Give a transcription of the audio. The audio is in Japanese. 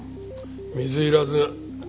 水入らず。